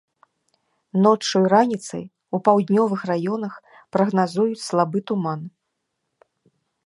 Ноччу і раніцай у паўднёвых раёнах прагназуюць слабы туман.